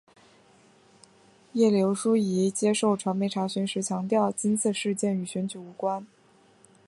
叶刘淑仪接受传媒查询时强调今次事件与选举无关。